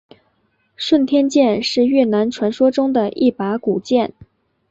顺天剑是越南传说中的一把古剑。